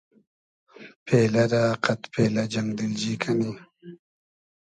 پېلۂ رۂ قئد پېلۂ جئنگ دیلجی کئنی